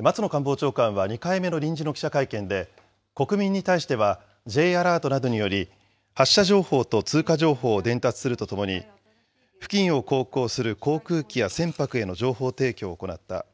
松野官房長官は２回目の臨時の記者会見で、国民に対しては、Ｊアラートなどにより、発射情報と通過情報を伝達するとともに、付近を航行する航空機や船舶への情報提供を行った。